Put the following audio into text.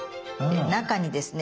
中にですね